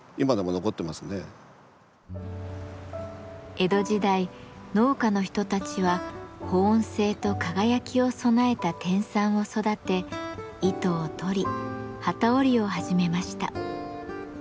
江戸時代農家の人たちは保温性と輝きを備えた天蚕を育て糸をとり機織りを始めました。